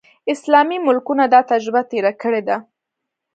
اسلامي ملکونو دا تجربه تېره کړې ده.